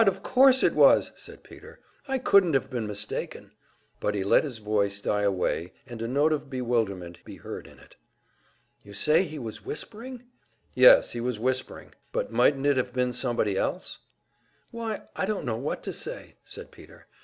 Of course it was!" said Peter. "I couldn't have been mistaken." But he let his voice die away, and a note of bewilderment be heard in it. "You say he was whispering?" "Yes, he was whispering." "But mightn't it have been somebody else?" "Why, I don't know what to say," said Peter.